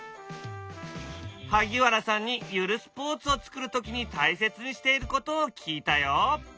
萩原さんにゆるスポーツを作る時に大切にしていることを聞いたよ。